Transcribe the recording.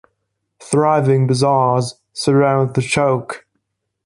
Thriving bazaars surround the chowk.